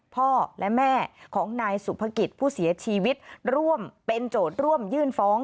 พ่อและแม่ของนายสุภกิจผู้เสียชีวิตร่วมเป็นโจทย์ร่วมยื่นฟ้อง